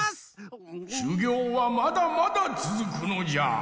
しゅぎょうはまだまだつづくのじゃ！